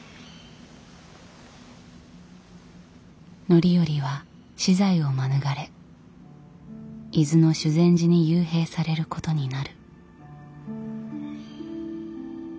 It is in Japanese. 範頼は死罪を免れ伊豆の修善寺に幽閉されることになる。